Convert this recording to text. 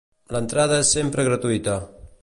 L'entrada és sempre gratuïta.